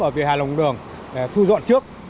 ở về hài lòng đường để thu dọn trước